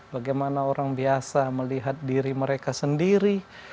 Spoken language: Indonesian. bagaimana orang biasa melihat diri mereka sendiri